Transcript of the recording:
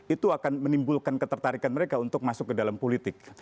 itu akan menimbulkan ketertarikan mereka untuk masuk ke dalam politik